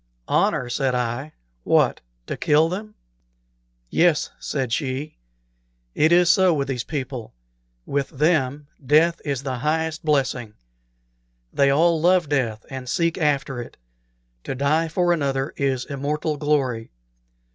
"Honor!" said I. "What! to kill them?" "Yes," said she; "it is so with these people; with them death is the highest blessing. They all love death and seek after it. To die for another is immortal glory.